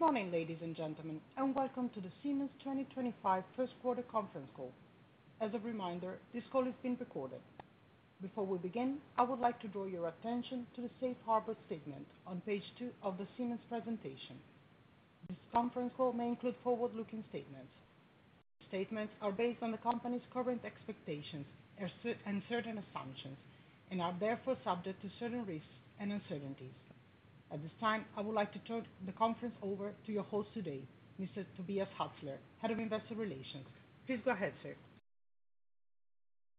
Good morning, ladies and gentlemen, and welcome to the Siemens 2025 First Quarter Conference Call. As a reminder, this call is being recorded. Before we begin, I would like to draw your attention to the Safe Harbor Statement on page two of the Siemens presentation. This conference call may include forward-looking statements. The statements are based on the company's current expectations and certain assumptions, and are therefore subject to certain risks and uncertainties. At this time, I would like to turn the conference over to your host today, Mr. Tobias Atzler, Head of Investor Relations. Please go ahead, sir.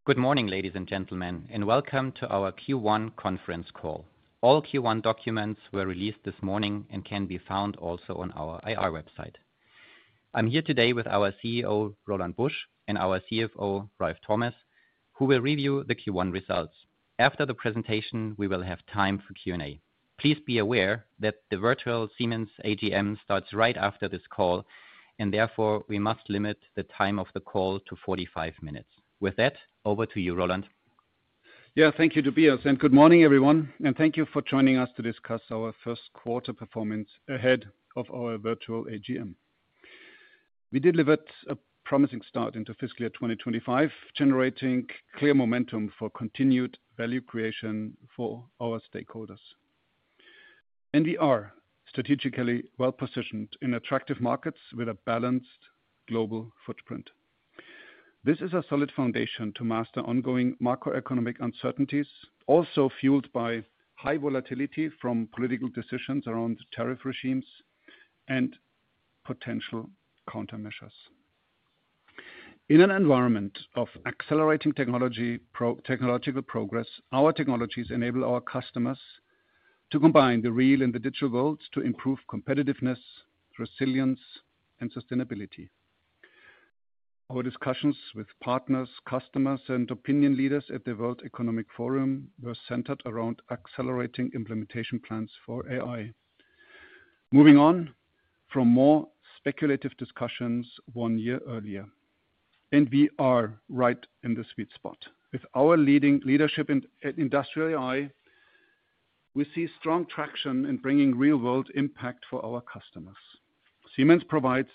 Good morning, ladies and gentlemen, and welcome to our Q1 Conference Call. All Q1 documents were released this morning and can be found also on our IR website. I'm here today with our CEO, Roland Busch, and our CFO, Ralf Thomas, who will review the Q1 results. After the presentation, we will have time for Q&A. Please be aware that the virtual Siemens AGM starts right after this call, and therefore we must limit the time of the call to 45 minutes. With that, over to you, Roland. Yeah, thank you, Tobias, and good morning, everyone, and thank you for joining us to discuss our first quarter performance ahead of our virtual AGM. We delivered a promising start into fiscal year 2025, generating clear momentum for continued value creation for our stakeholders, and we are strategically well-positioned in attractive markets with a balanced global footprint. This is a solid foundation to master ongoing macroeconomic uncertainties, also fueled by high volatility from political decisions around tariff regimes and potential countermeasures. In an environment of accelerating technological progress, our technologies enable our customers to combine the real and the digital worlds to improve competitiveness, resilience, and sustainability. Our discussions with partners, customers, and opinion leaders at the World Economic Forum were centered around accelerating implementation plans for AI, moving on from more speculative discussions one year earlier, and we are right in the sweet spot. With our leadership in industrial AI, we see strong traction in bringing real-world impact for our customers. Siemens provides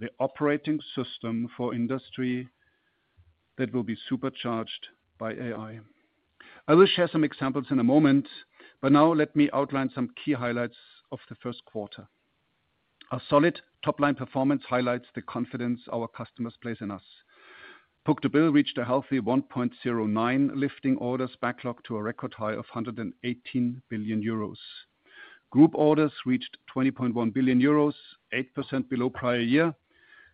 the operating system for industry that will be supercharged by AI. I will share some examples in a moment, but now let me outline some key highlights of the first quarter. Our solid top-line performance highlights the confidence our customers place in us. book-to-bill reached a healthy 1.09, lifting orders backlog to a record high of 118 billion euros. Group orders reached 20.1 billion euros, 8% below prior year.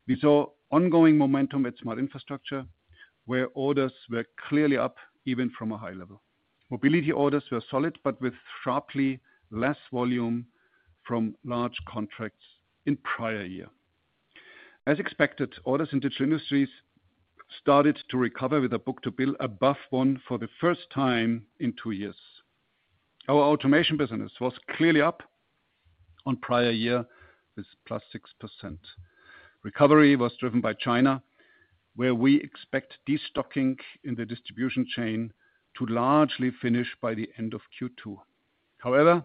We saw ongoing momentum at Smart Infrastructure, where orders were clearly up, even from a high level. Mobility orders were solid, but with sharply less volume from large contracts in prior year. As expected, orders in Digital Industries started to recover with a book-to-bill above one for the first time in two years. Our automation business was clearly up on prior year with plus 6%. Recovery was driven by China, where we expect destocking in the distribution chain to largely finish by the end of Q2. However,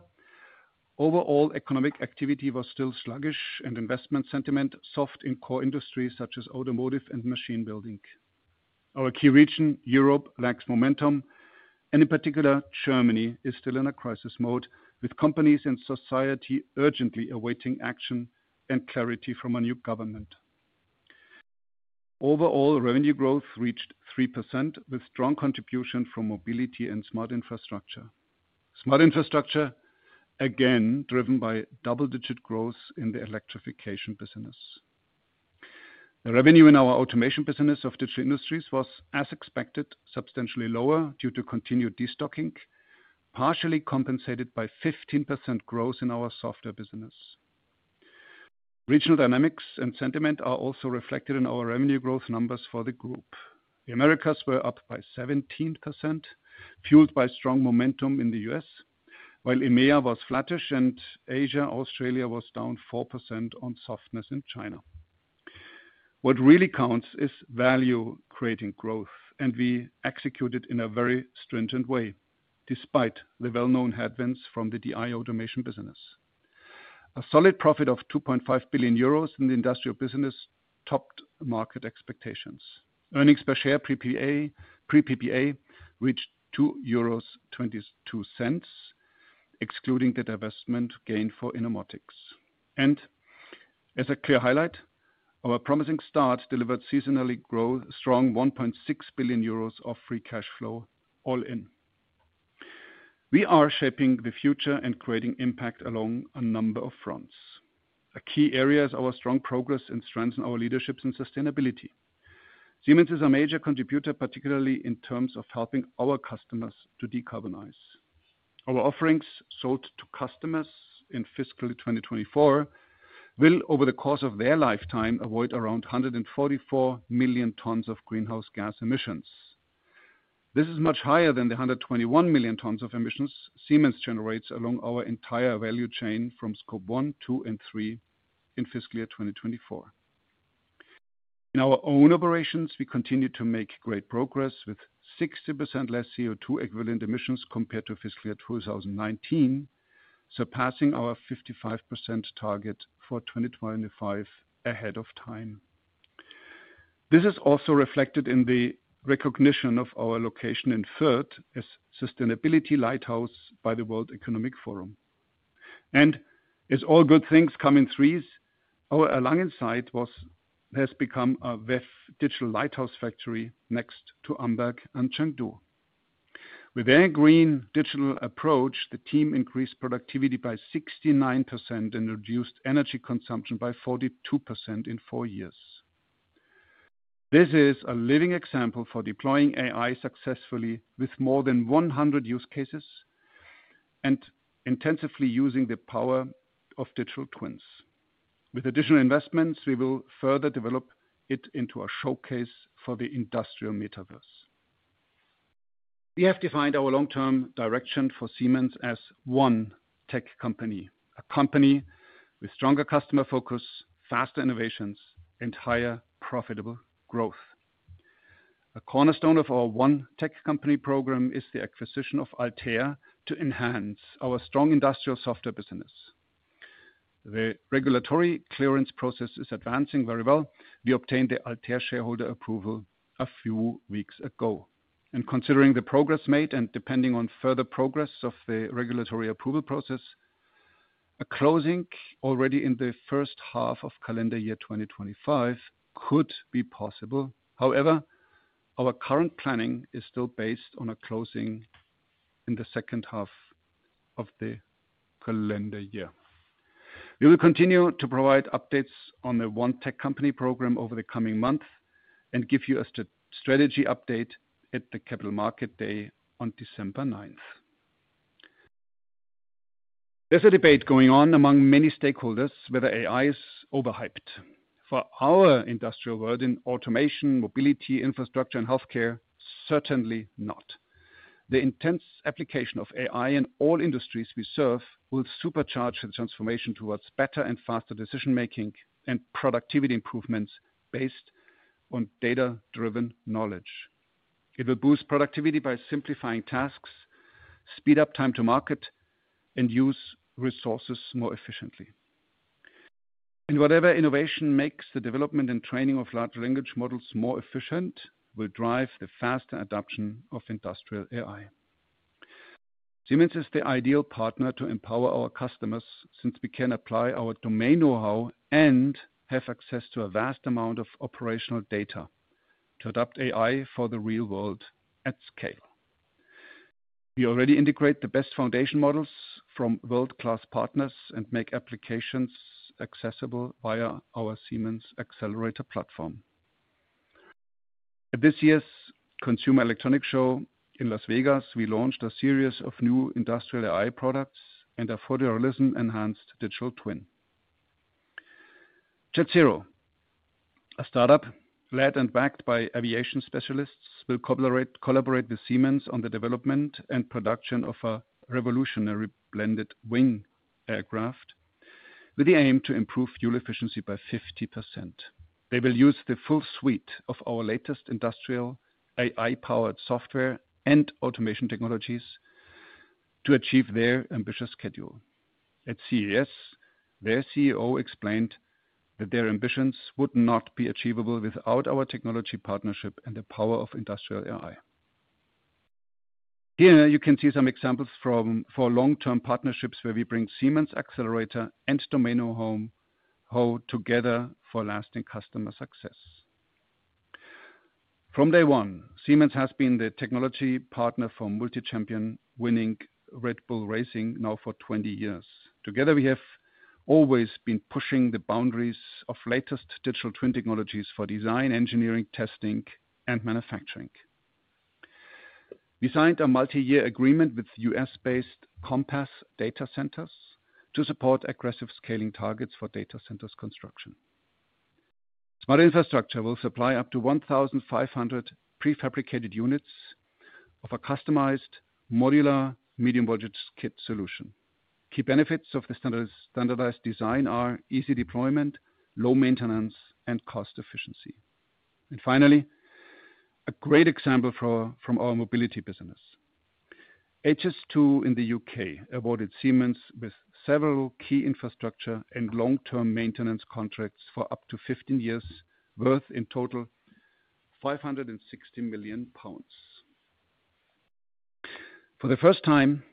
overall economic activity was still sluggish, and investment sentiment softened in core industries such as automotive and machine building. Our key region, Europe, lacks momentum, and in particular, Germany is still in a crisis mode, with companies and society urgently awaiting action and clarity from a new government. Overall, revenue growth reached 3%, with strong contribution from Mobility and Smart Infrastructure. Smart Infrastructure, again, driven by double-digit growth in the Electrification business. The revenue in our automation business of Digital Industries was, as expected, substantially lower due to continued destocking, partially compensated by 15% growth in our software business. Regional dynamics and sentiment are also reflected in our revenue growth numbers for the group. The Americas were up by 17%, fueled by strong momentum in the US, while EMEA was flattish, and Asia, Australia was down 4% on softness in China. What really counts is value-creating growth, and we executed in a very stringent way, despite the well-known headwinds from the DI automation business. A solid profit of €2.5 billion in the industrial business topped market expectations. Earnings per share pre-PPA reached €2.22, excluding the divestment gain for Innomotics, and as a clear highlight, our promising start delivered seasonally growth, strong €1.6 billion of free cash flow all in. We are shaping the future and creating impact along a number of fronts. A key area is our strong progress and strength in our leadership and sustainability. Siemens is a major contributor, particularly in terms of helping our customers to decarbonize. Our offerings sold to customers in fiscal 2024 will, over the course of their lifetime, avoid around 144 million tons of greenhouse gas emissions. This is much higher than the 121 million tons of emissions Siemens generates along our entire value chain from Scope 1, 2, and 3 in fiscal year 2024. In our own operations, we continue to make great progress with 60% less CO2 equivalent emissions compared to fiscal year 2019, surpassing our 55% target for 2025 ahead of time. This is also reflected in the recognition of our location in Fürth as Sustainability Lighthouse by the World Economic Forum. And as all good things come in threes, our site in Fürth has become a WEF Digital Lighthouse Factory next to Amberg and Chengdu. With their green digital approach, the team increased productivity by 69% and reduced energy consumption by 42% in four years. This is a living example for deploying AI successfully with more than 100 use cases and intensively using the power of digital twins. With additional investments, we will further develop it into a showcase for the industrial metaverse. We have defined our long-term direction for Siemens as one tech company, a company with stronger customer focus, faster innovations, and higher profitable growth. A cornerstone of our One Tech Company program is the acquisition of Altair to enhance our strong industrial software business. The regulatory clearance process is advancing very well. We obtained the Altair shareholder approval a few weeks ago, and considering the progress made and depending on further progress of the regulatory approval process, a closing already in the first half of calendar year 2025 could be possible. However, our current planning is still based on a closing in the second half of the calendar year. We will continue to provide updates on the one tech company program over the coming month and give you a strategy update at the Capital Market Day on December 9th. There's a debate going on among many stakeholders whether AI is overhyped. For our industrial world in automation, mobility, infrastructure, and healthcare, certainly not. The intense application of AI in all industries we serve will supercharge the transformation towards better and faster decision-making and productivity improvements based on data-driven knowledge. It will boost productivity by simplifying tasks, speed up time to market, and use resources more efficiently, and whatever innovation makes the development and training of large language models more efficient will drive the faster adoption of industrial AI. Siemens is the ideal partner to empower our customers since we can apply our domain know-how and have access to a vast amount of operational data to adopt AI for the real world at scale. We already integrate the best foundation models from world-class partners and make applications accessible via our Siemens Xcelerator platform. At this year's Consumer Electronics Show in Las Vegas, we launched a series of new industrial AI products and a photorealism-enhanced digital twin. JetZero, a startup led and backed by aviation specialists, will collaborate with Siemens on the development and production of a revolutionary blended wing aircraft with the aim to improve fuel efficiency by 50%. They will use the full suite of our latest industrial AI-powered software and automation technologies to achieve their ambitious schedule. At CES, their CEO explained that their ambitions would not be achievable without our technology partnership and the power of industrial AI. Here you can see some examples from our long-term partnerships where we bring Siemens Xcelerator and DI Mobility together for lasting customer success. From day one, Siemens has been the technology partner for multi-champion-winning Red Bull Racing now for 20 years. Together, we have always been pushing the boundaries of the latest digital twin technologies for design, engineering, testing, and manufacturing. We signed a multi-year agreement with U.S.-based Compass Data Centers to support aggressive scaling targets for data centers construction. Smart Infrastructure will supply up to 1,500 prefabricated units of a customized modular medium-voltage kit solution. Key benefits of the standardized design are easy deployment, low maintenance, and cost efficiency. Finally, a great example from our mobility business. HS2 in the UK awarded Siemens with several key infrastructure and long-term maintenance contracts for up to 15 years' worth, in total 560 million pounds. For the first time,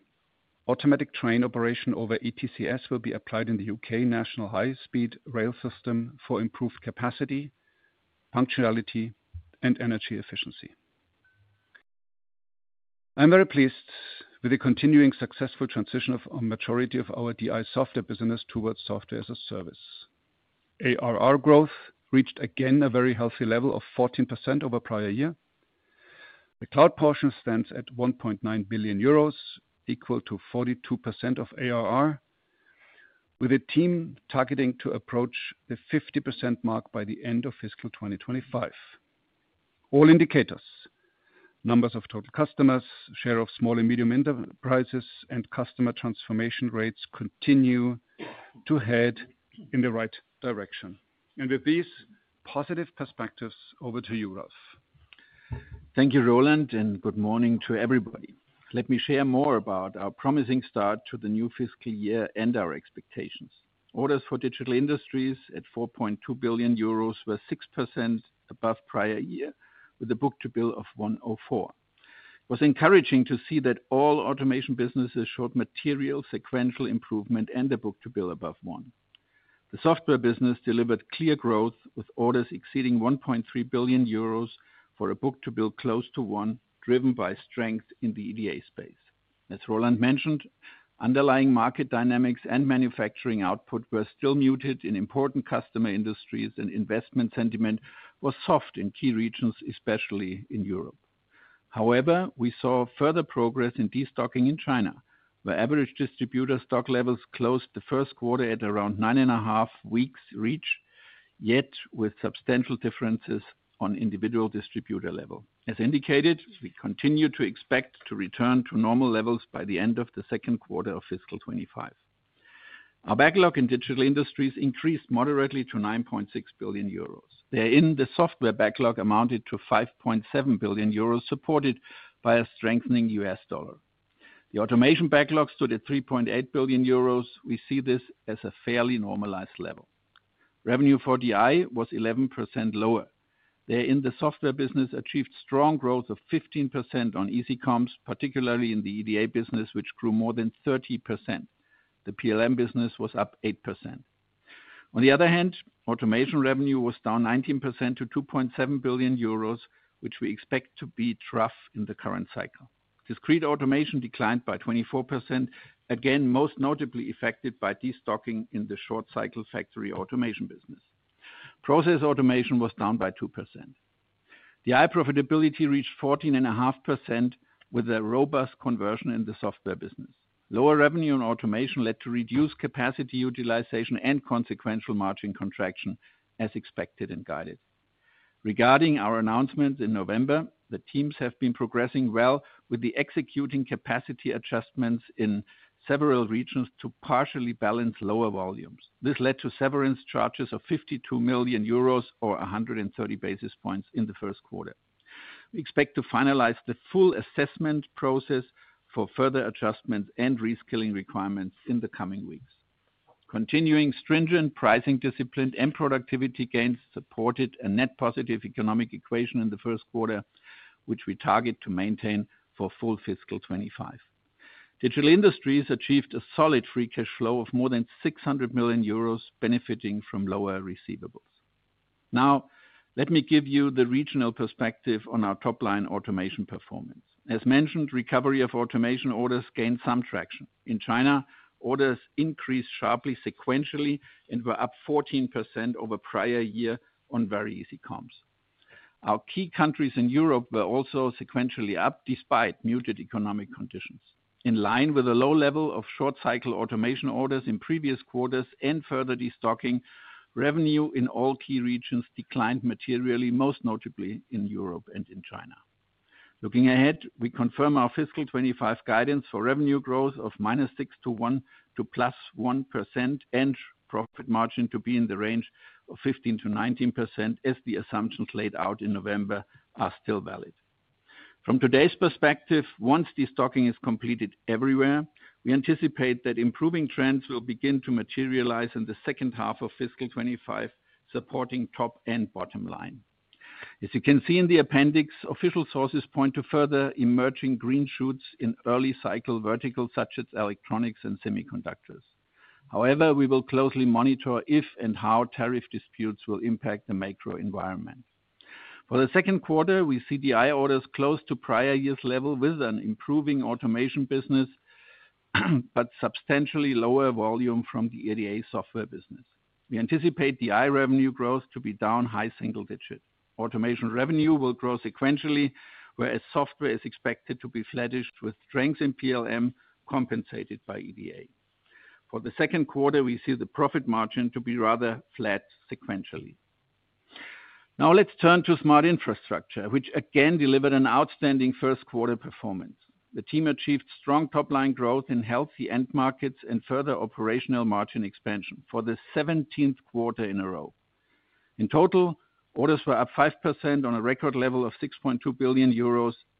automatic train operation over ETCS will be applied in the UK National High-Speed Rail system for improved capacity, punctuality, and energy efficiency. I'm very pleased with the continuing successful transition of a majority of our DI software business towards software as a service. ARR growth reached again a very healthy level of 14% over prior year. The cloud portion stands at 1.9 billion euros, equal to 42% of ARR, with a team targeting to approach the 50% mark by the end of fiscal 2025. All indicators, numbers of total customers, share of small and medium enterprises, and customer transformation rates continue to head in the right direction. And with these positive perspectives, over to you, Ralf. Thank you, Roland, and good morning to everybody. Let me share more about our promising start to the new fiscal year and our expectations. Orders for Digital Industries at 4.2 billion euros were 6% above prior year with a book-to-bill of 104. It was encouraging to see that all automation businesses showed material sequential improvement and a book-to-bill above one. The software business delivered clear growth with orders exceeding 1.3 billion euros for a book-to-bill close to one, driven by strength in the EDA space. As Roland mentioned, underlying market dynamics and manufacturing output were still muted in important customer industries, and investment sentiment was soft in key regions, especially in Europe. However, we saw further progress in destocking in China, where average distributor stock levels closed the first quarter at around nine and a half weeks' reach, yet with substantial differences on individual distributor level. As indicated, we continue to expect to return to normal levels by the end of the second quarter of fiscal 25. Our backlog in Digital Industries increased moderately to 9.6 billion euros. Therein, the software backlog amounted to 5.7 billion euros, supported by a strengthening US dollar. The automation backlog stood at 3.8 billion euros. We see this as a fairly normalized level. Revenue for DI was 11% lower. Therein, the software business achieved strong growth of 15% on easy comps, particularly in the EDA business, which grew more than 30%. The PLM business was up 8%. On the other hand, automation revenue was down 19% to 2.7 billion euros, which we expect to be tough in the current cycle. Discrete automation declined by 24%, again most notably affected by destocking in the short-cycle factory automation business. Process automation was down by 2%. DI profitability reached 14.5% with a robust conversion in the software business. Lower revenue on automation led to reduced capacity utilization and consequential margin contraction, as expected and guided. Regarding our announcements in November, the teams have been progressing well with the executing capacity adjustments in several regions to partially balance lower volumes. This led to severance charges of €52 million or 130 basis points in the first quarter. We expect to finalize the full assessment process for further adjustments and reskilling requirements in the coming weeks. Continuing stringent pricing discipline and productivity gains supported a net positive economic equation in the first quarter, which we target to maintain for full fiscal 2025. Digital Industries achieved a solid free cash flow of more than €600 million, benefiting from lower receivables. Now, let me give you the regional perspective on our top-line automation performance. As mentioned, recovery of automation orders gained some traction. In China, orders increased sharply sequentially and were up 14% over prior year on very easy comps. Our key countries in Europe were also sequentially up despite muted economic conditions. In line with a low level of short-cycle automation orders in previous quarters and further destocking, revenue in all key regions declined materially, most notably in Europe and in China. Looking ahead, we confirm our fiscal 2025 guidance for revenue growth of -6% to +1% and profit margin to be in the range of 15%-19% as the assumptions laid out in November are still valid. From today's perspective, once destocking is completed everywhere, we anticipate that improving trends will begin to materialize in the second half of fiscal 2025, supporting top and bottom line. As you can see in the appendix, official sources point to further emerging green shoots in early-cycle verticals such as electronics and semiconductors. However, we will closely monitor if and how tariff disputes will impact the macro environment. For the second quarter, we see DI orders close to prior year's level with an improving automation business but substantially lower volume from the EDA software business. We anticipate DI revenue growth to be down high single digit. Automation revenue will grow sequentially, whereas software is expected to be flattish with strength in PLM compensated by EDA. For the second quarter, we see the profit margin to be rather flat sequentially. Now, let's turn to Smart Infrastructure, which again delivered an outstanding first-quarter performance. The team achieved strong top-line growth in healthy end markets and further operational margin expansion for the 17th quarter in a row. In total, orders were up 5% on a record level of €6.2 billion.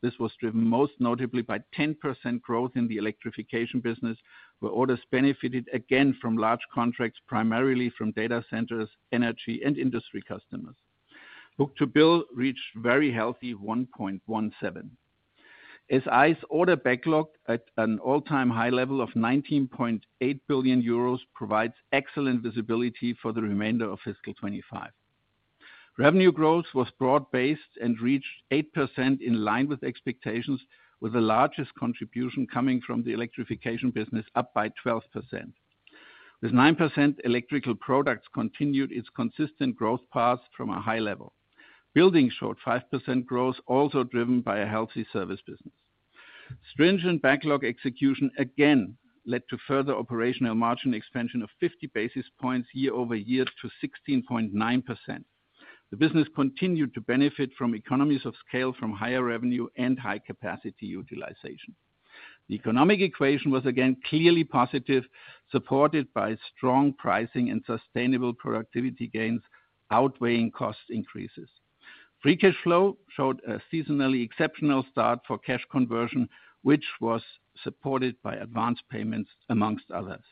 This was driven most notably by 10% growth in the electrification business, where orders benefited again from large contracts primarily from data centers, energy, and industry customers. Book-to-bill reached very healthy 1.17. SI's order backlog at an all-time high level of €19.8 billion provides excellent visibility for the remainder of fiscal 25. Revenue growth was broad-based and reached 8% in line with expectations, with the largest contribution coming from the electrification business up by 12%. With 9%, electrical products continued its consistent growth path from a high level. Buildings showed 5% growth, also driven by a healthy service business. Stringent backlog execution again led to further operational margin expansion of 50 basis points year over year to 16.9%. The business continued to benefit from economies of scale from higher revenue and high capacity utilization. The economic equation was again clearly positive, supported by strong pricing and sustainable productivity gains outweighing cost increases. Free cash flow showed a seasonally exceptional start for cash conversion, which was supported by advance payments, among others.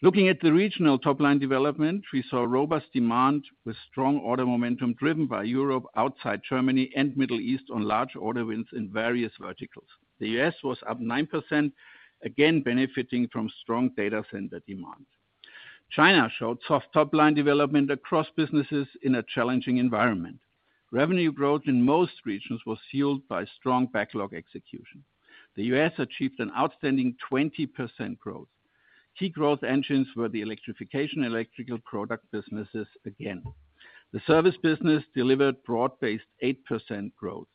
Looking at the regional top-line development, we saw robust demand with strong order momentum driven by Europe outside Germany and Middle East on large order wins in various verticals. The U.S. was up 9%, again benefiting from strong data center demand. China showed soft top-line development across businesses in a challenging environment. Revenue growth in most regions was fueled by strong backlog execution. The U.S. achieved an outstanding 20% growth. Key growth engines were the electrification and electrical product businesses again. The service business delivered broad-based 8% growth.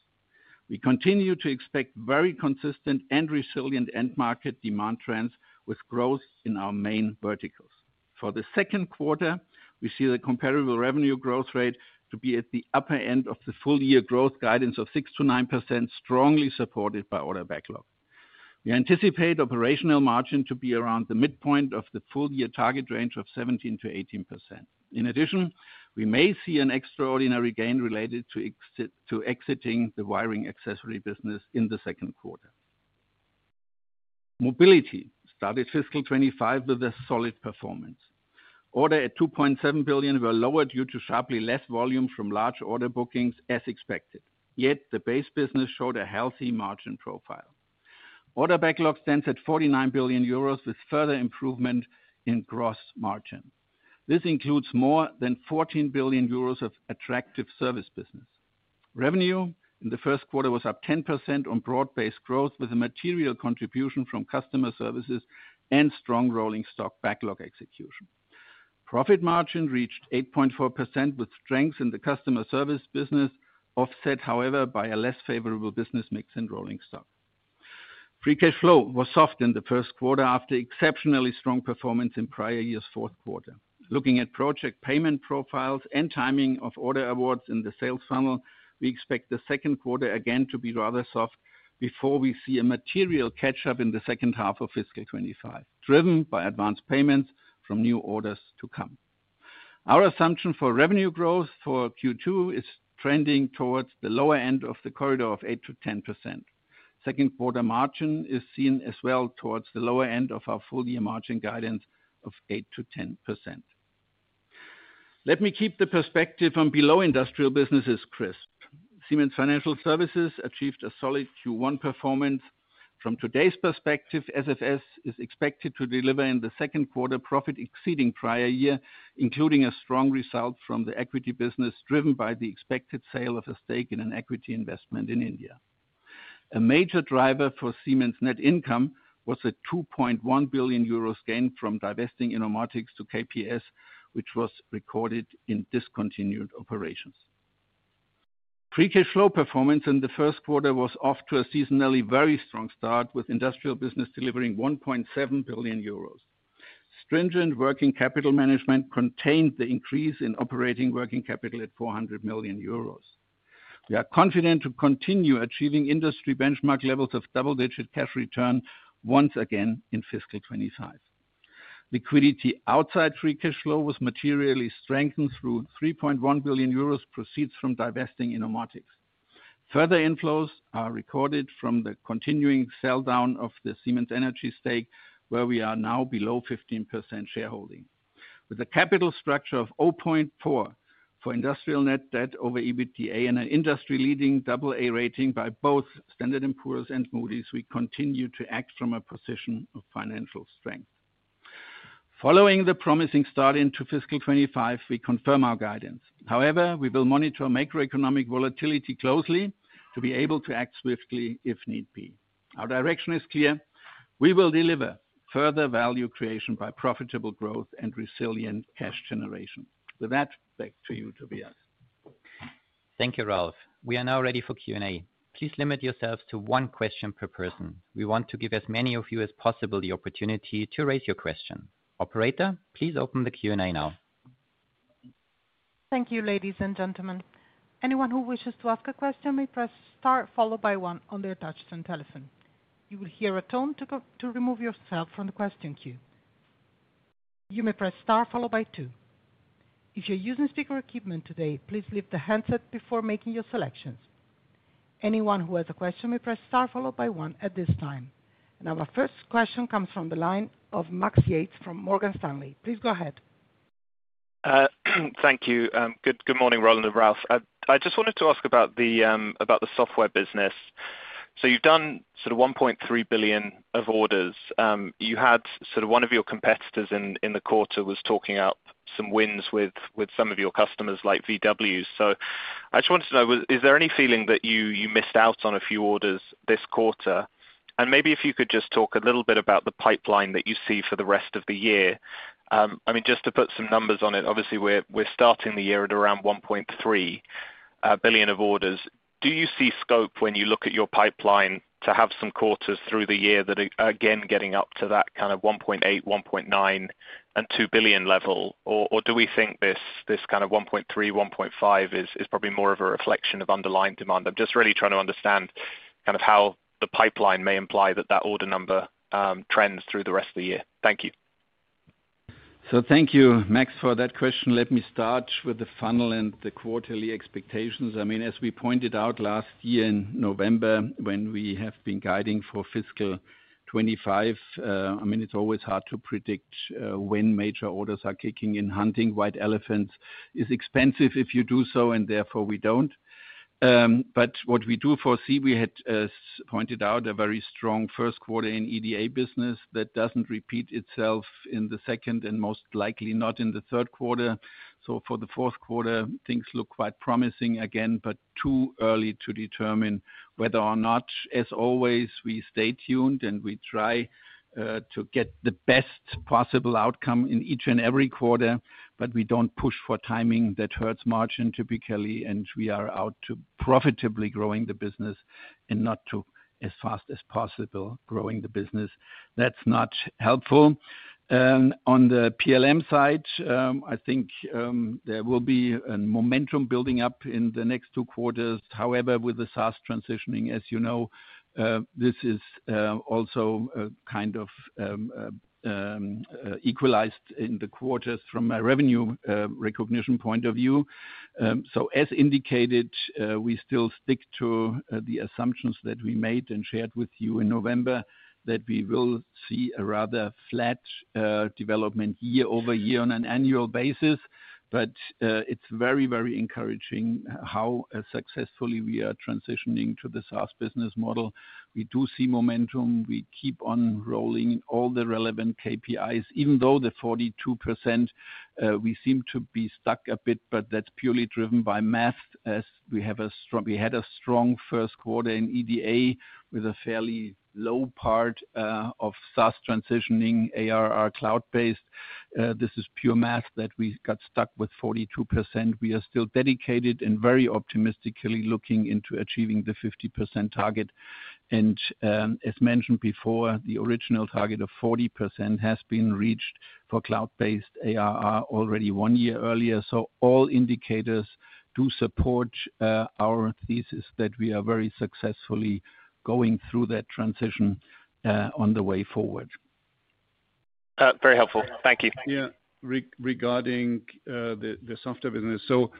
We continue to expect very consistent and resilient end-market demand trends with growth in our main verticals. For the second quarter, we see the comparable revenue growth rate to be at the upper end of the full-year growth guidance of 6%-9%, strongly supported by order backlog. We anticipate operational margin to be around the midpoint of the full-year target range of 17%-18%. In addition, we may see an extraordinary gain related to exiting the wiring accessory business in the second quarter. Mobility started fiscal 2025 with a solid performance. Order at € 2.7 billion were lower due to sharply less volume from large order bookings, as expected. Yet, the base business showed a healthy margin profile. Order backlog stands at € 49 billion, with further improvement in gross margin. This includes more than € 14 billion of attractive service business. Revenue in the first quarter was up 10% on broad-based growth, with a material contribution from customer services and strong rolling stock backlog execution. Profit margin reached 8.4% with strength in the customer service business, offset, however, by a less favorable business mix in rolling stock. Free cash flow was soft in the first quarter after exceptionally strong performance in prior year's fourth quarter. Looking at project payment profiles and timing of order awards in the sales funnel, we expect the second quarter again to be rather soft before we see a material catch-up in the second half of fiscal 2025, driven by advance payments from new orders to come. Our assumption for revenue growth for Q2 is trending towards the lower end of the corridor of 8%-10%. Second-quarter margin is seen as well towards the lower end of our full-year margin guidance of 8%-10%. Let me keep the perspective from below industrial businesses crisp. Siemens Financial Services achieved a solid Q1 performance. From today's perspective, SFS is expected to deliver in the second quarter profit exceeding prior year, including a strong result from the equity business, driven by the expected sale of a stake in an equity investment in India. A major driver for Siemens' net income was a 2.1 billion euros gain from divesting Innomotics to KPS, which was recorded in discontinued operations. Free cash flow performance in the first quarter was off to a seasonally very strong start, with industrial business delivering 1.7 billion euros. Stringent working capital management contained the increase in operating working capital at 400 million euros. We are confident to continue achieving industry benchmark levels of double-digit cash return once again in fiscal 2025. Liquidity outside free cash flow was materially strengthened through 3.1 billion euros proceeds from divesting Innomotics. Further inflows are recorded from the continuing sell-down of the Siemens Energy stake, where we are now below 15% shareholding. With a capital structure of 0.4 for industrial net debt over EBITDA and an industry-leading AA rating by both Standard & Poor's and Moody's, we continue to act from a position of financial strength. Following the promising start into fiscal 2025, we confirm our guidance. However, we will monitor macroeconomic volatility closely to be able to act swiftly if need be. Our direction is clear. We will deliver further value creation by profitable growth and resilient cash generation. With that, back to you, Tobias. Thank you, Ralf. We are now ready for Q&A. Please limit yourselves to one question per person. We want to give as many of you as possible the opportunity to raise your question. Operator, please open the Q&A now. Thank you, ladies and gentlemen. Anyone who wishes to ask a question may press Star, followed by 1, on their touchscreen telephone. You will hear a tone to remove yourself from the question queue. You may press Star, followed by 2. If you're using speaker equipment today, please leave the handset before making your selections. Anyone who has a question may press Star, followed by 1, at this time. And our first question comes from the line of Max Yates from Morgan Stanley. Please go ahead. Thank you. Good morning, Roland and Ralf. I just wanted to ask about the software business. So you've done sort of 1.3 billion of orders. You had sort of one of your competitors in the quarter was talking up some wins with some of your customers, like VW. So I just wanted to know, is there any feeling that you missed out on a few orders this quarter? And maybe if you could just talk a little bit about the pipeline that you see for the rest of the year. I mean, just to put some numbers on it, obviously, we're starting the year at around 1.3 billion of orders. Do you see scope, when you look at your pipeline, to have some quarters through the year that are again getting up to that kind of 1.8 billion, 1.9 billion, and 2 billion level? Or do we think this kind of 1.3 billion, 1.5 billion is probably more of a reflection of underlying demand? I'm just really trying to understand kind of how the pipeline may imply that that order number trends through the rest of the year. Thank you. So thank you, Max, for that question. Let me start with the funnel and the quarterly expectations. I mean, as we pointed out last year in November, when we have been guiding for fiscal 2025, I mean, it's always hard to predict when major orders are kicking in. Hunting white elephants is expensive if you do so, and therefore we don't. But what we do foresee, we had pointed out a very strong first quarter in EDA business that doesn't repeat itself in the second and most likely not in the third quarter. So for the fourth quarter, things look quite promising again, but too early to determine whether or not. As always, we stay tuned and we try to get the best possible outcome in each and every quarter, but we don't push for timing that hurts margin typically, and we are out to profitably growing the business and not to, as fast as possible, growing the business. That's not helpful. On the PLM side, I think there will be a momentum building up in the next two quarters. However, with the SaaS transitioning, as you know, this is also kind of equalized in the quarters from a revenue recognition point of view. So as indicated, we still stick to the assumptions that we made and shared with you in November, that we will see a rather flat development year over year on an annual basis. But it's very, very encouraging how successfully we are transitioning to the SaaS business model. We do see momentum. We keep on rolling all the relevant KPIs, even though the 42%, we seem to be stuck a bit, but that's purely driven by math, as we had a strong first quarter in EDA with a fairly low part of SaaS transitioning, ARR cloud-based. This is pure math that we got stuck with 42%. We are still dedicated and very optimistically looking into achieving the 50% target, and as mentioned before, the original target of 40% has been reached for cloud-based ARR already one year earlier, so all indicators do support our thesis that we are very successfully going through that transition on the way forward. Very helpful. Thank you. Yeah. Regarding the software business, so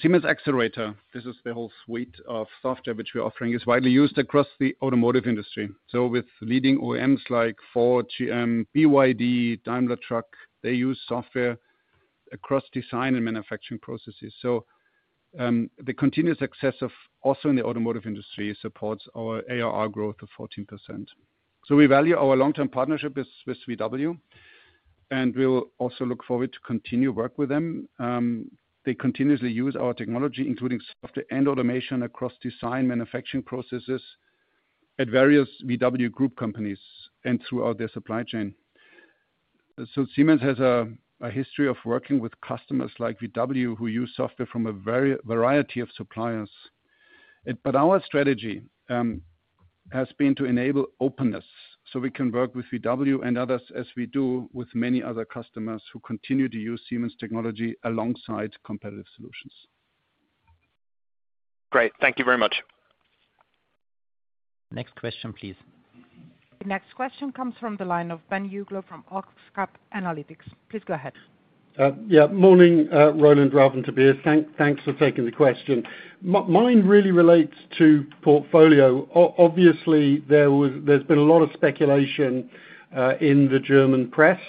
Siemens Xcelerator, this is the whole suite of software which we're offering, is widely used across the automotive industry. So with leading OEMs like Ford, GM, BYD, Daimler Truck, they use software across design and manufacturing processes. So the continuous success of also in the automotive industry supports our ARR growth of 14%. So we value our long-term partnership with VW, and we'll also look forward to continue work with them. They continuously use our technology, including software and automation across design manufacturing processes at various VW group companies and throughout their supply chain. So Siemens has a history of working with customers like VW who use software from a variety of suppliers. But our strategy has been to enable openness so we can work with VW and others, as we do with many other customers who continue to use Siemens technology alongside competitive solutions. Great. Thank you very much. Next question, please. The next question comes from the line of Ben Uglow from Oxcap Analytics. Please go ahead. Yeah. Morning, Roland and Ralph, and Tobias. Thanks for taking the question. Mine really relates to portfolio. Obviously, there's been a lot of speculation in the German press,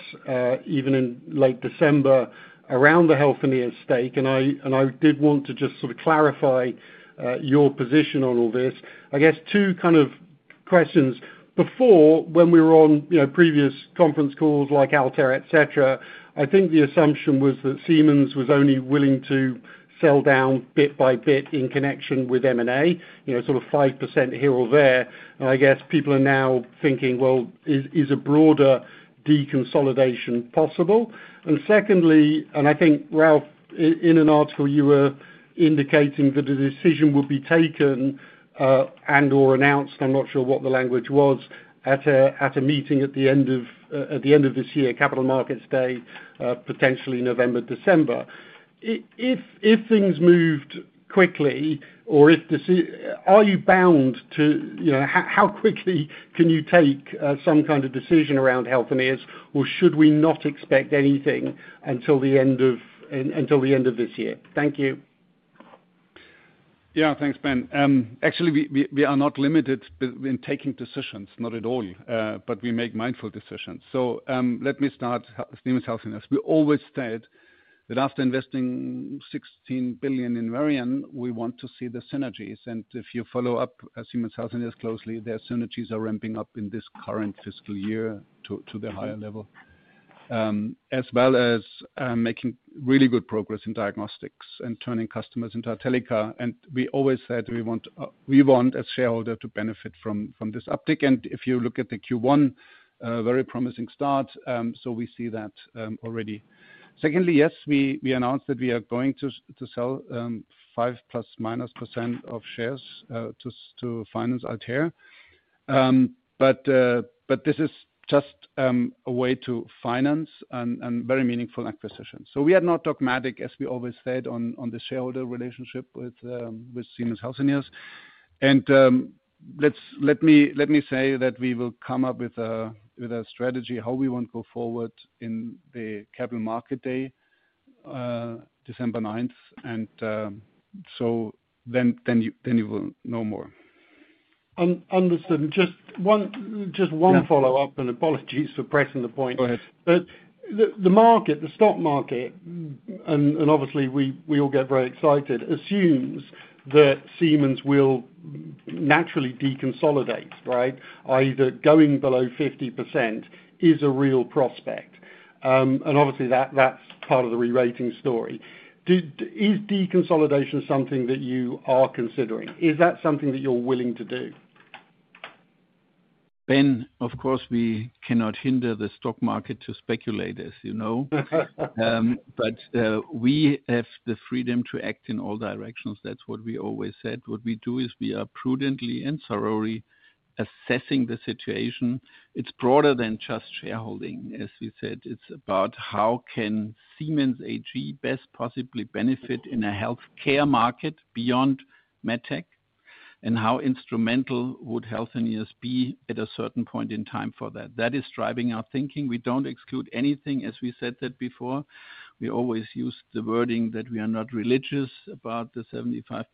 even in late December, around the Healthineers stake. And I did want to just sort of clarify your position on all this. I guess two kind of questions. Before, when we were on previous conference calls like Altair, etc., I think the assumption was that Siemens was only willing to sell down bit by bit in connection with M&A, sort of 5% here or there. And I guess people are now thinking, well, is a broader deconsolidation possible? And secondly, and I think, Ralf, in an article, you were indicating that a decision would be taken and/or announced, I'm not sure what the language was, at a meeting at the end of this year, Capital Markets Day, potentially November, December. If things moved quickly, or if are you bound to how quickly can you take some kind of decision around Healthineers, or should we not expect anything until the end of this year? Thank you. Yeah. Thanks, Ben. Actually, we are not limited in taking decisions, not at all, but we make mindful decisions. So, let me start with Siemens Healthineers. We always said that after investing 16 billion in Varian, we want to see the synergies. And if you follow up Siemens Healthineers closely, their synergies are ramping up in this current fiscal year to the higher level, as well as making really good progress in diagnostics and turning customers into a team. And we always said we want a shareholder to benefit from this uptick. And if you look at the Q1, very promising start. So we see that already. Secondly, yes, we announced that we are going to sell 5% plus minus of shares to finance Altair. But this is just a way to finance a very meaningful acquisition. So we are not dogmatic, as we always said, on the shareholder relationship with Siemens Healthineers. And let me say that we will come up with a strategy how we want to go forward in the Capital Market Day, December 9th. And so then you will know more. And just one follow-up, and apologies for pressing the point. Go ahead. The market, the stock market, and obviously, we all get very excited, assumes that Siemens will naturally deconsolidate, right? Either going below 50% is a real prospect. And obviously, that's part of the re-rating story. Is deconsolidation something that you are considering? Is that something that you're willing to do? Ben, of course, we cannot hinder the stock market to speculate, as you know. But we have the freedom to act in all directions. That's what we always said. What we do is we are prudently and thoroughly assessing the situation. It's broader than just shareholding, as we said. It's about how can Siemens AG best possibly benefit in a healthcare market beyond MedTech, and how instrumental would Healthineers be at a certain point in time for that? That is driving our thinking. We don't exclude anything, as we said that before. We always use the wording that we are not religious about the 75%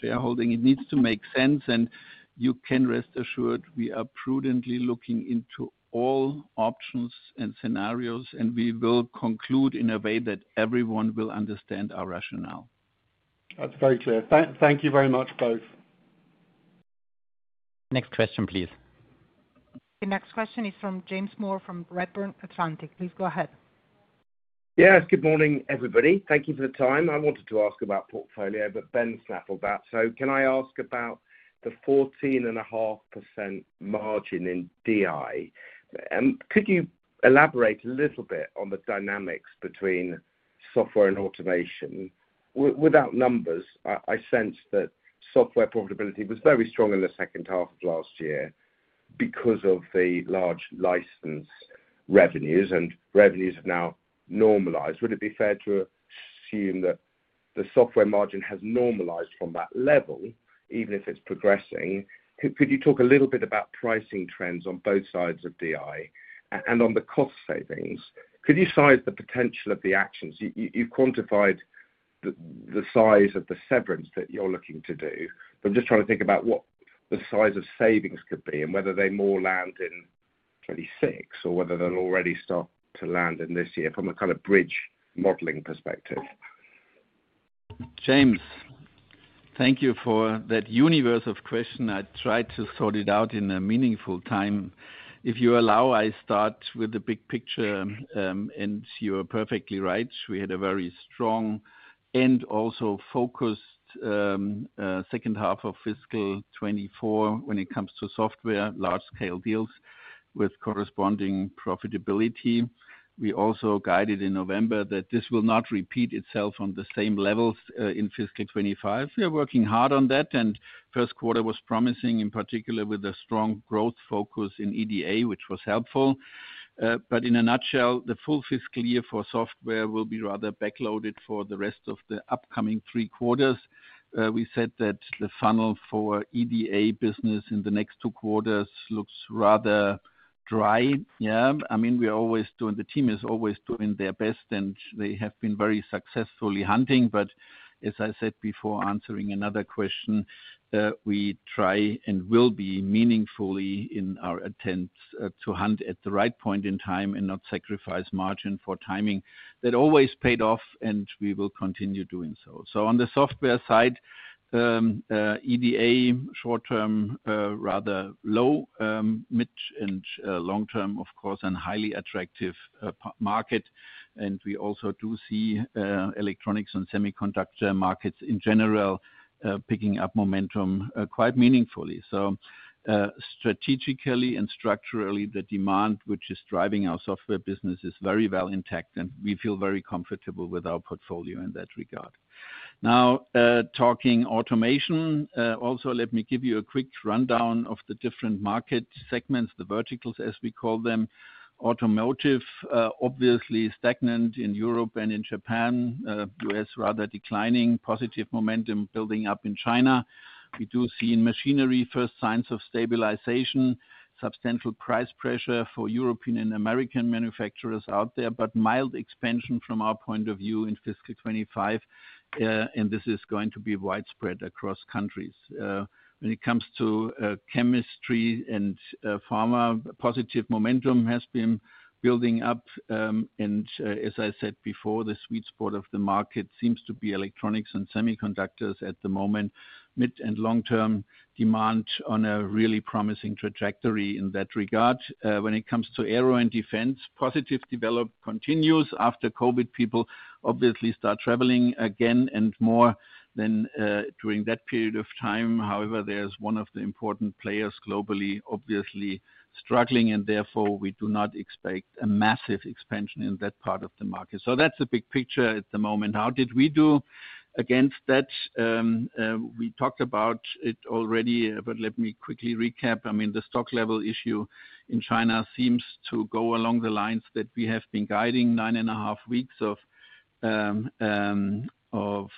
shareholding. It needs to make sense. And you can rest assured we are prudently looking into all options and scenarios, and we will conclude in a way that everyone will understand our rationale. That's very clear. Thank you very much, both. Next question, please. The next question is from James Moore from Redburn Atlantic. Please go ahead. Yes. Good morning, everybody. Thank you for the time. I wanted to ask about portfolio, but Ben snapped on that. So can I ask about the 14.5% margin in DI? Could you elaborate a little bit on the dynamics between software and automation? Without numbers, I sensed that software profitability was very strong in the second half of last year because of the large license revenues, and revenues have now normalized. Would it be fair to assume that the software margin has normalized from that level, even if it's progressing? Could you talk a little bit about pricing trends on both sides of DI and on the cost savings? Could you size the potential of the actions? You've quantified the size of the severance that you're looking to do. But I'm just trying to think about what the size of savings could be and whether they more land in 2026 or whether they'll already start to land in this year from a kind of bridge modeling perspective. James, thank you for that universe of questions. I tried to sort it out in a meaningful time. If you allow, I start with the big picture, and you are perfectly right. We had a very strong and also focused second half of fiscal 2024 when it comes to software, large-scale deals with corresponding profitability. We also guided in November that this will not repeat itself on the same levels in fiscal 2025. We are working hard on that, and first quarter was promising, in particular with a strong growth focus in EDA, which was helpful. But in a nutshell, the full fiscal year for software will be rather backloaded for the rest of the upcoming three quarters. We said that the funnel for EDA business in the next two quarters looks rather dry. Yeah. I mean, the team is always doing their best, and they have been very successfully hunting. As I said before, answering another question, we try and will be meaningfully in our attempts to enter at the right point in time and not sacrifice margin for volume. That always paid off, and we will continue doing so. On the software side, EDA short-term rather low, mid- and long-term, of course, and highly attractive market. We also do see electronics and semiconductor markets in general picking up momentum quite meaningfully. Strategically and structurally, the demand which is driving our software business is very well intact, and we feel very comfortable with our portfolio in that regard. Now, talking about automation, also let me give you a quick rundown of the different market segments, the verticals, as we call them. Automotive, obviously stagnant in Europe and in Japan. U.S. rather declining. Positive momentum building up in China. We do see in machinery first signs of stabilization, substantial price pressure for European and American manufacturers out there, but mild expansion from our point of view in fiscal 2025, and this is going to be widespread across countries. When it comes to chemistry and pharma, positive momentum has been building up. And as I said before, the sweet spot of the market seems to be electronics and semiconductors at the moment. Mid and long-term demand on a really promising trajectory in that regard. When it comes to aero and defense, positive development continues. After COVID, people obviously start traveling again and more than during that period of time. However, there's one of the important players globally, obviously struggling, and therefore we do not expect a massive expansion in that part of the market. So that's the big picture at the moment. How did we do against that? We talked about it already, but let me quickly recap. I mean, the stock level issue in China seems to go along the lines that we have been guiding: nine and a half weeks of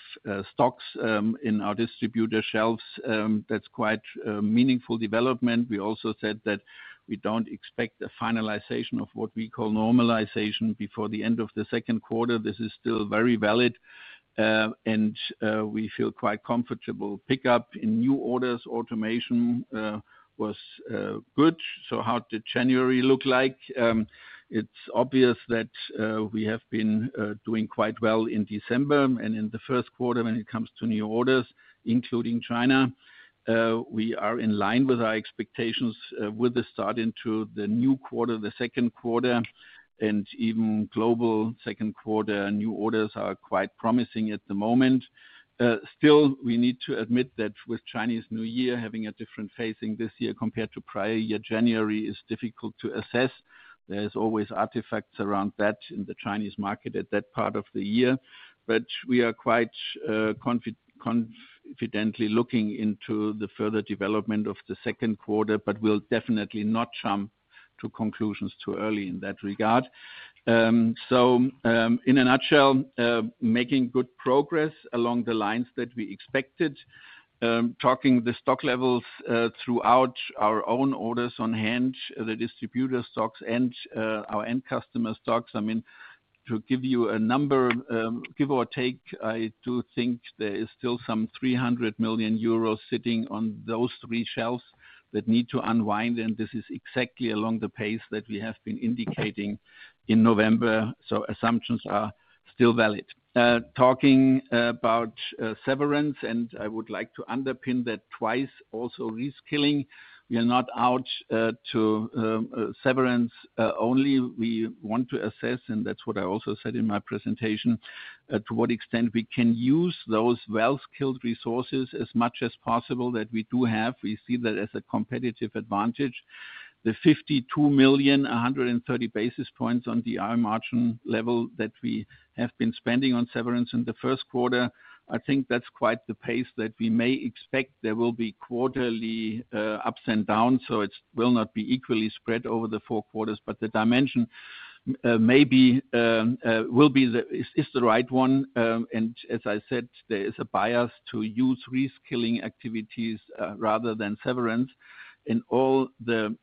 stocks in our distributor shelves. That's quite a meaningful development. We also said that we don't expect a finalization of what we call normalization before the end of the second quarter. This is still very valid, and we feel quite comfortable. Pickup in new orders, automation was good. So how did January look like? It's obvious that we have been doing quite well in December and in the first quarter when it comes to new orders, including China. We are in line with our expectations with the start into the new quarter, the second quarter, and even global second quarter. New orders are quite promising at the moment. Still, we need to admit that with Chinese New Year having a different facing this year compared to prior year, January is difficult to assess. There's always artifacts around that in the Chinese market at that part of the year. But we are quite confidently looking into the further development of the second quarter, but we'll definitely not jump to conclusions too early in that regard. So in a nutshell, making good progress along the lines that we expected. Talking the stock levels throughout our own orders on hand, the distributor stocks and our end customer stocks. I mean, to give you a number, give or take, I do think there is still some 300 million euros sitting on those three shelves that need to unwind, and this is exactly along the pace that we have been indicating in November. So assumptions are still valid. Talking about severance, and I would like to underpin that twice, also reskilling. We are not out to severance only. We want to assess, and that's what I also said in my presentation, to what extent we can use those well-skilled resources as much as possible that we do have. We see that as a competitive advantage. The 52 million, 130 basis points on our margin level that we have been spending on severance in the first quarter, I think that's quite the pace that we may expect. There will be quarterly ups and downs, so it will not be equally spread over the four quarters, but the dimension maybe will be the right one. As I said, there is a bias to use reskilling activities rather than severance. All the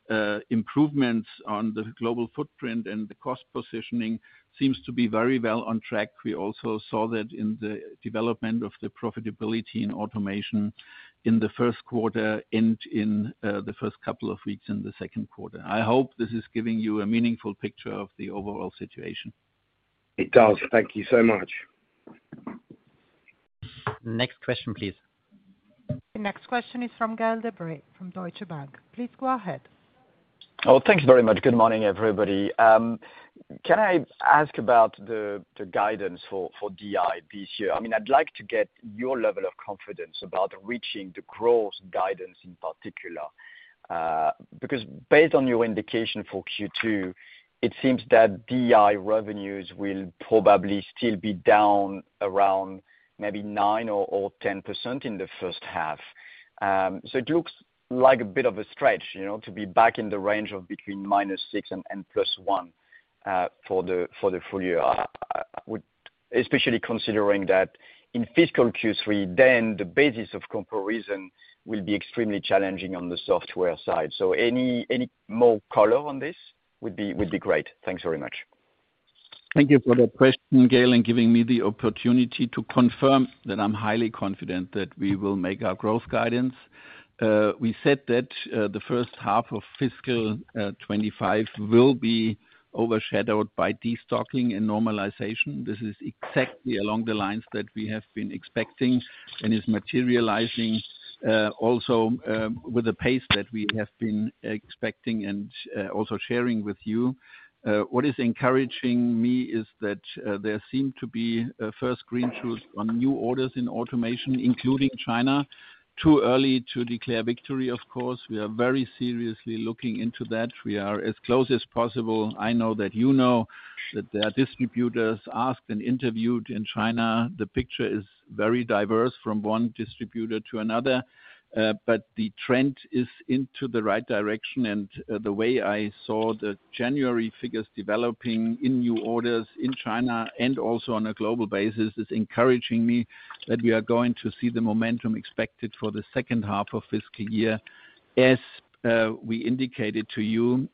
improvements on the global footprint and the cost positioning seems to be very well on track. We also saw that in the development of the profitability in automation in the first quarter and in the first couple of weeks in the second quarter. I hope this is giving you a meaningful picture of the overall situation. It does. Thank you so much. Next question, please. The next question is from Gaëlle Debray from Deutsche Bank. Please go ahead. Oh, thanks very much. Good morning, everybody. Can I ask about the guidance for DI this year? I mean, I'd like to get your level of confidence about reaching the growth guidance in particular. Because based on your indication for Q2, it seems that DI revenues will probably still be down around maybe 9% or 10% in the first half. It looks like a bit of a stretch to be back in the range of between -6% and +1% for the full year, especially considering that in fiscal Q3, then the basis of comparison will be extremely challenging on the software side. So any more color on this would be great. Thanks very much. Thank you for the question, Gaëlle, and giving me the opportunity to confirm that I'm highly confident that we will make our growth guidance. We said that the first half of fiscal 2025 will be overshadowed by destocking and normalization. This is exactly along the lines that we have been expecting and is materializing also with the pace that we have been expecting and also sharing with you. What is encouraging me is that there seem to be first green shoots on new orders in automation, including China. Too early to declare victory, of course. We are very seriously looking into that. We are as close as possible. I know that you know that there are distributors asked and interviewed in China. The picture is very diverse from one distributor to another. But the trend is into the right direction. And the way I saw the January figures developing in new orders in China and also on a global basis is encouraging me that we are going to see the momentum expected for the second half of fiscal year. As we indicated to you,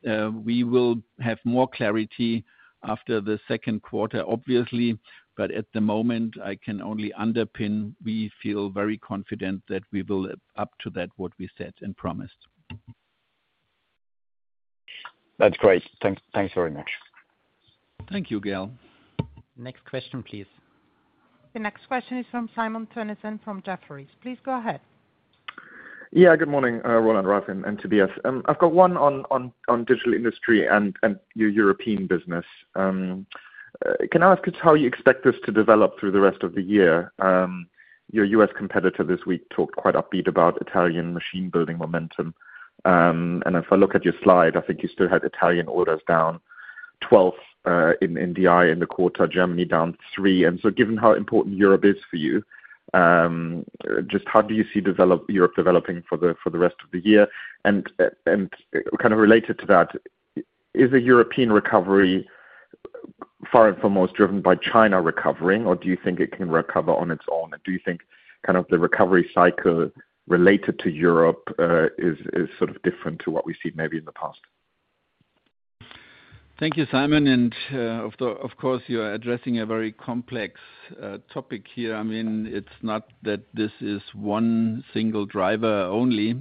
we will have more clarity after the second quarter, obviously. But at the moment, I can only underpin we feel very confident that we will up to that what we said and promised. That's great. Thanks very much. Thank you, Gaëlle. Next question, please. The next question is from Simon Toennessen from Jefferies. Please go ahead. Yeah. Good morning, Roland Busch and Tobias. I've got one on Digital Industries and your European business. Can I ask how you expect this to develop through the rest of the year? Your US competitor this week talked quite upbeat about Italy in machine-building momentum. And if I look at your slide, I think you still had Italy in orders down 12% in DI in the quarter, Germany down 3%. And so given how important Europe is for you, just how do you see Europe developing for the rest of the year? And kind of related to that, is the European recovery primarily driven by China recovering, or do you think it can recover on its own? And do you think kind of the recovery cycle related to Europe is sort of different to what we've seen maybe in the past? Thank you, Simon. Of course, you are addressing a very complex topic here. I mean, it's not that this is one single driver only.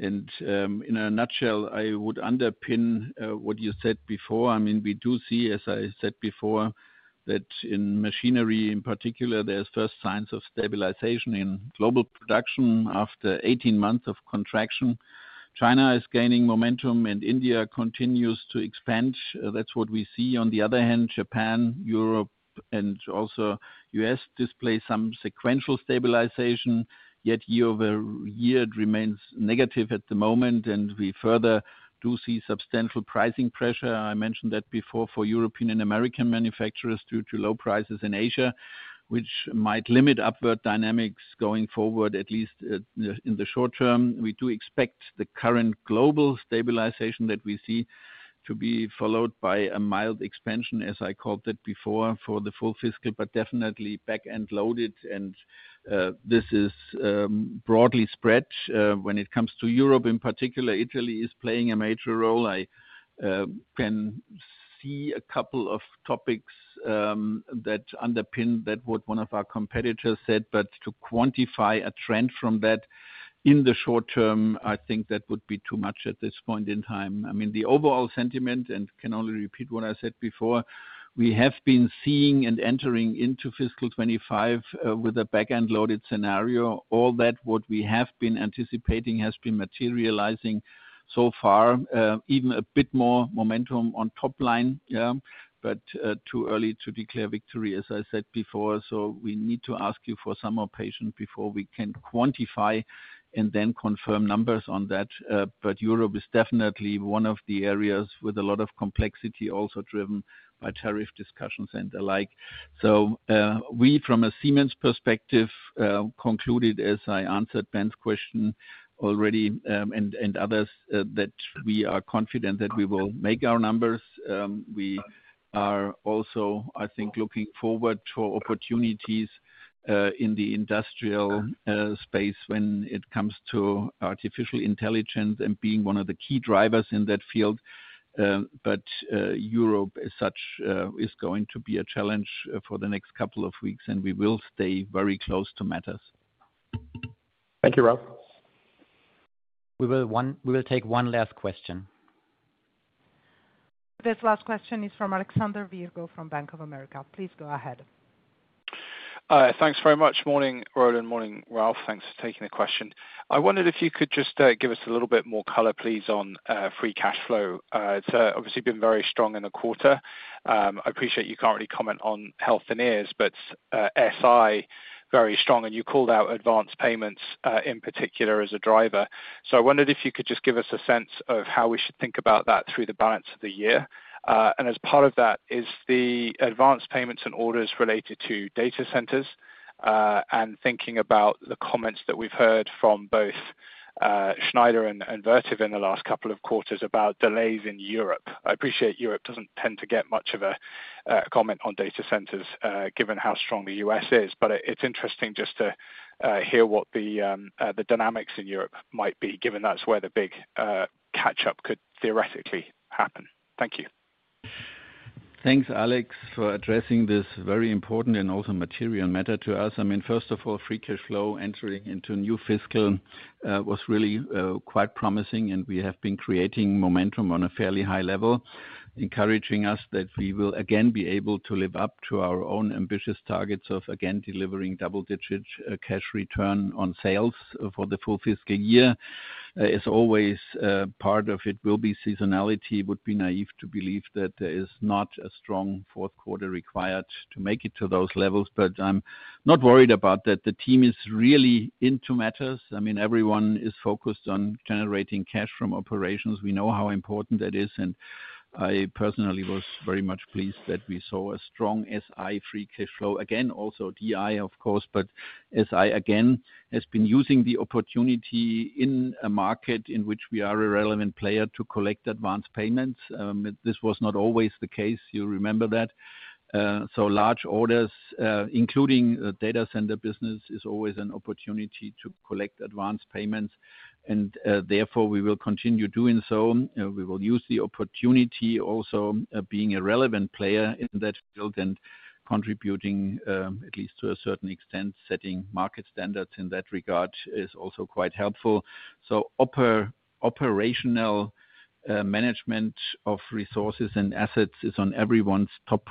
In a nutshell, I would underpin what you said before. I mean, we do see, as I said before, that in machinery in particular, there's first signs of stabilization in global production after 18 months of contraction. China is gaining momentum, and India continues to expand. That's what we see. On the other hand, Japan, Europe, and also U.S. display some sequential stabilization, yet year-over-year it remains negative at the moment. We further do see substantial pricing pressure. I mentioned that before for European and American manufacturers due to low prices in Asia, which might limit upward dynamics going forward, at least in the short term. We do expect the current global stabilization that we see to be followed by a mild expansion, as I called it before, for the full fiscal, but definitely back-end loaded, and this is broadly spread when it comes to Europe. In particular, Italy is playing a major role. I can see a couple of topics that underpin that what one of our competitors said, but to quantify a trend from that in the short term, I think that would be too much at this point in time. I mean, the overall sentiment, and can only repeat what I said before. We have been seeing and entering into fiscal 2025 with a back-end loaded scenario. All that what we have been anticipating has been materializing so far, even a bit more momentum on top line, but too early to declare victory, as I said before. So we need to ask you for some more patience before we can quantify and then confirm numbers on that. But Europe is definitely one of the areas with a lot of complexity, also driven by tariff discussions and the like. So we, from a Siemens perspective, concluded, as I answered Ben's question already and others, that we are confident that we will make our numbers. We are also, I think, looking forward to opportunities in the industrial space when it comes to artificial intelligence and being one of the key drivers in that field. But Europe as such is going to be a challenge for the next couple of weeks, and we will stay very close to matters. Thank you, Ralf. We will take one last question. This last question is from Alexander Virgo from Bank of America. Please go ahead. Thanks very much. Morning, Roland. Morning, Ralf. Thanks for taking the question. I wondered if you could just give us a little bit more color, please, on free cash flow. It's obviously been very strong in the quarter. I appreciate you can't really comment on Healthineers, but SI very strong. And you called out advance payments in particular as a driver. So I wondered if you could just give us a sense of how we should think about that through the balance of the year. And as part of that is the advance payments and orders related to data centers and thinking about the comments that we've heard from both Schneider and Vertiv in the last couple of quarters about delays in Europe. I appreciate Europe doesn't tend to get much of a comment on data centers given how strong the U.S. is, but it's interesting just to hear what the dynamics in Europe might be, given that's where the big catch-up could theoretically happen. Thank you. Thanks, Alex, for addressing this very important and also material matter to us. I mean, first of all, free cash flow entering into new fiscal was really quite promising, and we have been creating momentum on a fairly high level, encouraging us that we will again be able to live up to our own ambitious targets of again delivering double-digit cash return on sales for the full fiscal year. As always, part of it will be seasonality. It would be naive to believe that there is not a strong fourth quarter required to make it to those levels. But I'm not worried about that. The team is really into matters. I mean, everyone is focused on generating cash from operations. We know how important that is, and I personally was very much pleased that we saw a strong SI free cash flow. Again, also DI, of course, but SI again has been using the opportunity in a market in which we are a relevant player to collect advance payments. This was not always the case. You remember that. So large orders, including data center business, is always an opportunity to collect advance payments. And therefore, we will continue doing so. We will use the opportunity also being a relevant player in that field and contributing at least to a certain extent, setting market standards in that regard is also quite helpful. So operational management of resources and assets is on everyone's top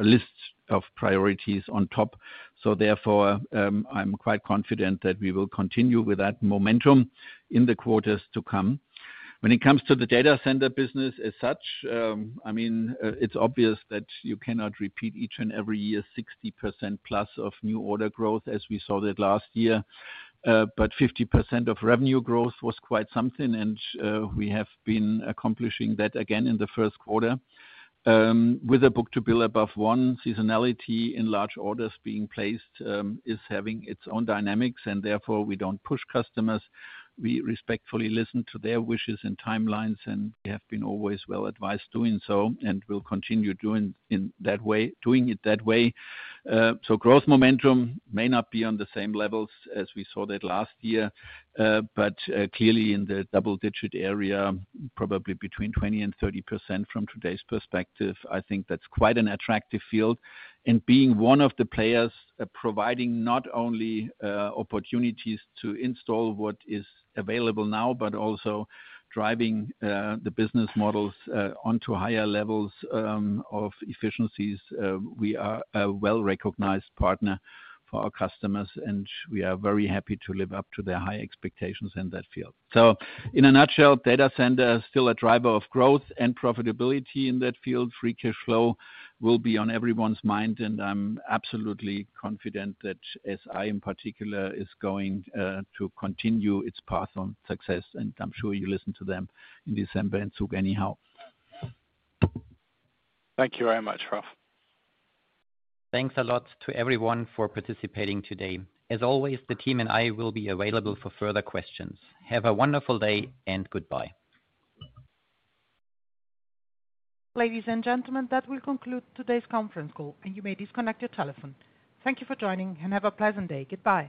list of priorities on top. So therefore, I'm quite confident that we will continue with that momentum in the quarters to come. When it comes to the data center business as such, I mean, it's obvious that you cannot repeat each and every year 60% plus of new order growth as we saw that last year. But 50% of revenue growth was quite something, and we have been accomplishing that again in the first quarter. With a Book-to-bill above one, seasonality in large orders being placed is having its own dynamics, and therefore we don't push customers. We respectfully listen to their wishes and timelines, and we have been always well advised doing so and will continue doing it that way. So growth momentum may not be on the same levels as we saw that last year, but clearly in the double-digit area, probably between 20% and 30% from today's perspective. I think that's quite an attractive field, and being one of the players providing not only opportunities to install what is available now, but also driving the business models onto higher levels of efficiencies, we are a well-recognized partner for our customers, and we are very happy to live up to their high expectations in that field, so in a nutshell, data center is still a driver of growth and profitability in that field. Free cash flow will be on everyone's mind, and I'm absolutely confident that SI in particular is going to continue its path on success, and I'm sure you listened to them in December and took anyhow. Thank you very much, Ralf. Thanks a lot to everyone for participating today. As always, the team and I will be available for further questions. Have a wonderful day and goodbye. Ladies and gentlemen, that will conclude today's conference call, and you may disconnect your telephone. Thank you for joining and have a pleasant day. Goodbye.